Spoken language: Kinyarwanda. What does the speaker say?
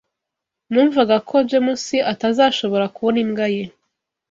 Numvaga ko James atazashobora kubona imbwa ye.